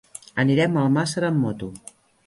Anirem a Almàssera amb moto.